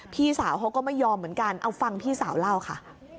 พี่สาวเขาก็ไม่ยอมเหมือนกันเอาฟังพี่สาวเล่าค่ะ